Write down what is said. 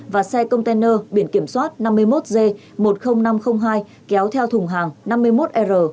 và xe container biển kiểm soát năm mươi một g một mươi nghìn năm trăm linh hai kéo theo thùng hàng năm mươi một r chín trăm tám mươi một